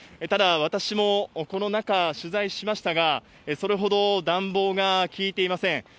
ただ私もこの中、取材しましたが、それほど暖房が効いていません。